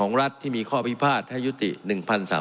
ของรัฐที่มีข้อพิพาทให้ยุติ๑๓๐๐แปลง